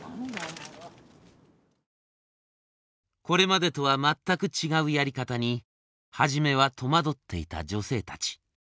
これまでとは全く違うやり方に初めは戸惑っていた女性たち。